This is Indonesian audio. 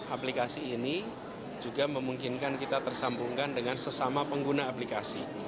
aplikasi ini juga memungkinkan kita tersambungkan dengan sesama pengguna aplikasi